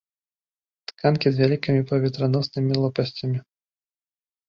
Тканкі з вялікімі паветраноснымі лопасцямі.